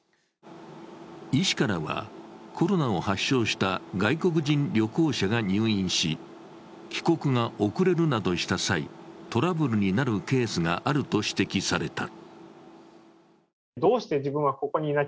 医師からは、コロナを発症した外国人旅行者が入院し帰国が遅れるなどした際、トラブルになるケースがあると指摘された。